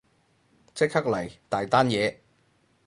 即刻嚟，大單嘢